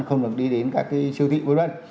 không được đi đến các cái siêu thị vân vân